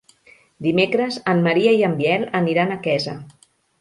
Dimecres en Maria i en Biel aniran a Quesa.